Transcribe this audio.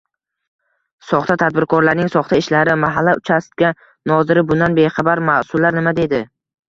Soxta tadbirkorning soxta ishlari: mahalla uchastka noziri bundan bexabar, mas’ullar nima deydi?